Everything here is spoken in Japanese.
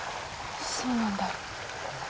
そうなんだ。